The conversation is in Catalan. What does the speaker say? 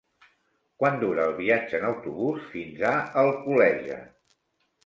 Quant dura el viatge en autobús fins a Alcoleja?